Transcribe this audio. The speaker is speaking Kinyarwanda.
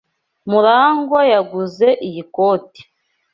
Murangwa yanguze iyi koti